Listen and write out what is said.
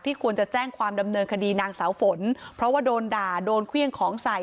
ควรจะแจ้งความดำเนินคดีนางสาวฝนเพราะว่าโดนด่าโดนเครื่องของใส่